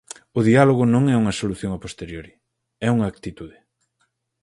O diálogo non é unha solución a posteriori, é unha actitude.